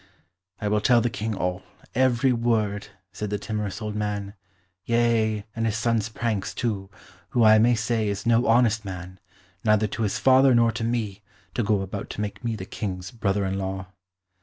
"I will tell the King all, every word," said the timorous old man. "Yea, and his son's pranks, too, who, I may say, is no honest man, neither to his father nor to me, to go about to make me the King's brother in law."